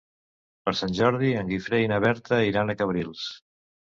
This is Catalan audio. Per Sant Jordi en Guifré i na Berta iran a Cabrils.